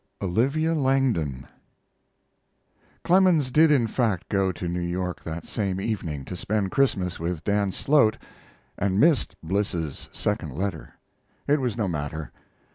OLIVIA LANGDON Clemens did in fact go to New York that same evening, to spend Christmas with Dan Slote, and missed Bliss's second letter. It was no matter.